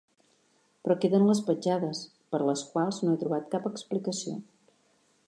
Però queden les petjades, per a les quals no he trobat cap explicació.